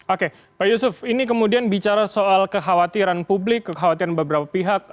oke pak yusuf ini kemudian bicara soal kekhawatiran publik kekhawatiran beberapa pihak